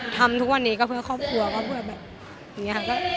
ทำทุกวันนี้ก็เพื่อครอบครัวก็เพื่อแบบ